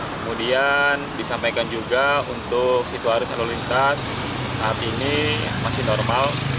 kemudian disampaikan juga untuk situasi lalu lintas saat ini masih normal